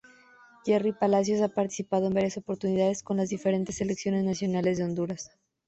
Jerry Palacios ha participado en varias oportunidades con las diferentes selecciones nacionales de Honduras.